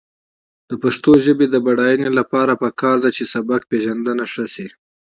د پښتو ژبې د بډاینې لپاره پکار ده چې سبکپېژندنه ښه شي.